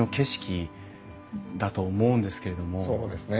そうですね。